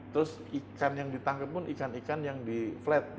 terus ikan yang ditangkap pun ikan ikan yang di flat